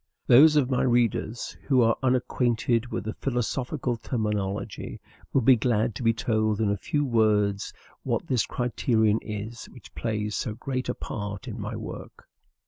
Those of my readers who are unacquainted with the philosophical terminology will be glad to be told in a few words what this criterion is, which plays so great a part in my work.